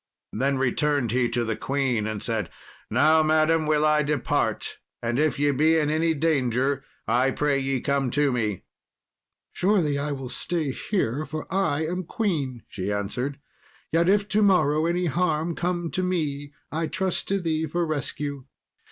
Then returned he to the queen, and said, "Now, madam, will I depart, and if ye be in any danger I pray ye come to me." "Surely will I stay here, for I am queen," she answered; "yet if to morrow any harm come to me I trust to thee for rescue."